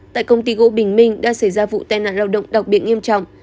tại công ty gỗ bình minh đã xảy ra vụ tai nạn lao động đặc biệt nghiêm trọng